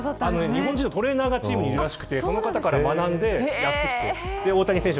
日本人のトレーナーがいるらしくてその方から学んで大谷選手